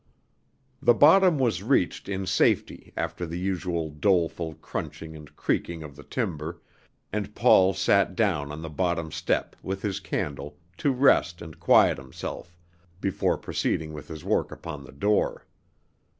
The bottom was reached in safety after the usual doleful crunching and creaking of the timber, and Paul sat down on the bottom step, with his candle, to rest and quiet himself, before proceeding with his work upon the door.